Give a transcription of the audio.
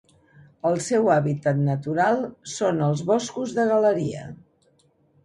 El seu hàbitat natural són els boscos de galeria.